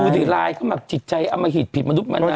ดูสิไลน์เขามันแบบจิตใจอมหิตผิดมนุษย์กันนะ